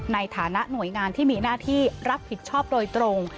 ในฐานะหน่วยงานที่มีหน้าที่รับผิดชอบโดยตรง